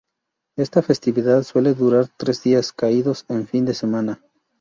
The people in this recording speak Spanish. Esta festividad suele durar tres días caídos en fin de semana.